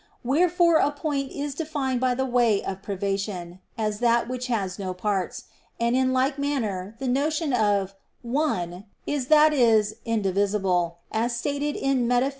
Wherefore a point is defined by way of privation "as that which has no parts"; and in like manner the notion of "one" is that is "indivisible," as stated in _Metaph.